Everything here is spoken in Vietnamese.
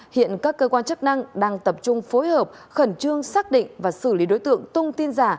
hiện các cơ quan chức năng đang tập trung phối hợp khẩn trương xác định và xử lý đối tượng tung tin giả